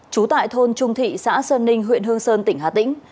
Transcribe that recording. trú tại thôn trung thị xã sơn ninh huyện hương sơn tỉnh hà tĩnh